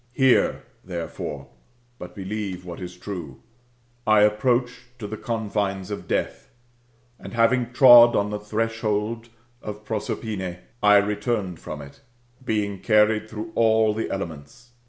Hear, therefore, but believe what is true. / approached to the confines of deaths and having trod on the threshold of Prosperine, I returned from it^ being carried through all the elefnents.